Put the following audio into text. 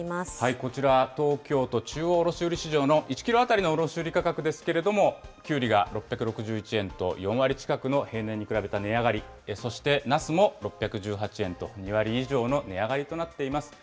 こちら、東京都中央卸売市場の１キロ当たりの卸売り価格ですけれども、きゅうりが６６１円と４割近くの、平年に比べた値上がり、そしてなすも６１８円と、２割以上の値上がりとなっています。